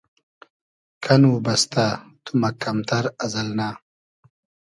کئنو بئستۂ تو مئکئم تئر از النۂ